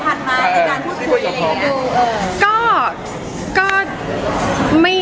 มาในการพูดคุยอะไรอย่างนี้